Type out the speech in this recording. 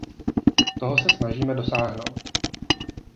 Toho se snažíme dosáhnout.